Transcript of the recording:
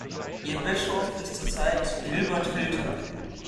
Ihr Bischof ist zurzeit Gilbert Filter.